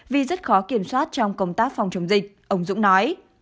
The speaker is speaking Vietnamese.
vì rất khó kiểm soát trong công tác phòng chống dịch ông dũng nói